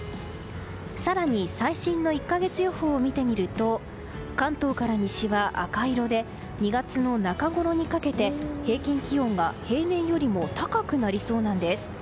更に、最新の１か月予報を見てみると関東から西は赤色で２月の中ごろにかけて平均気温が平年よりも高くなりそうなんです。